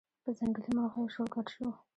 په ځنګلي مرغیو شور ګډ شو